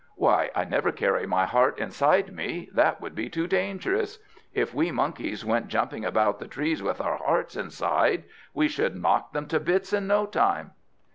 Why, I never carry my heart inside me; that would be too dangerous. If we Monkeys went jumping about the trees with our hearts inside, we should knock them to bits in no time."